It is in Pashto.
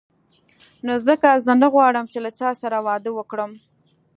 نو ځکه زه نه غواړم چې له چا سره واده وکړم.